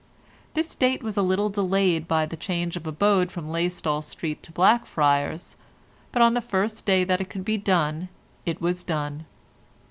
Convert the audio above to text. This date was a little delayed by the change of abode from Laystall Street to Blackfriars, but on the first day that it could be done it was done.